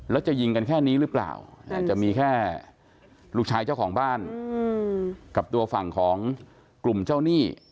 แล้วจะยิงกันแค่นี้หรือเปล่าอาจจะมีแค่ลูกชายเจ้าของบ้านกับตัวฝั่งของกลุ่มเจ้าหนี้